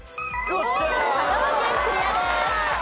香川県クリアです。